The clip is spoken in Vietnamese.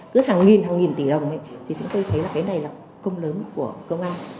cứ hàng nghìn hàng nghìn tỷ đồng thì chúng tôi thấy là cái này là công lớn của công an